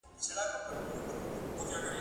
د غوایانو په ښکرونو یې وهلي !.